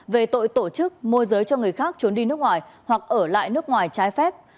về tội tổ chức môi giới cho người khác trốn đi nước ngoài hoặc ở lại nước ngoài trái phép